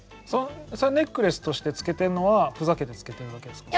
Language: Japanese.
それネックレスとしてつけてんのはふざけてつけてるだけですか？